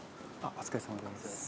お疲れさまです。